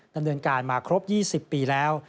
ดำเนินการมาครบ๒๐ปีแล้ว